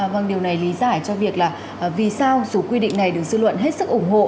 vâng điều này lý giải cho việc là vì sao dù quy định này được dư luận hết sức ủng hộ